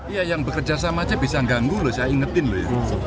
ya yang bekerja sama aja bisa ganggu loh saya ingetin loh ya